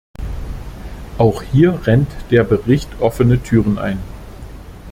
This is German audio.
Auch hier rennt der Bericht offene Türen ein.